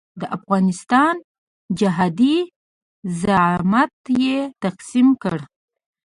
د افغانستان جهادي زعامت یې تقسیم کړ.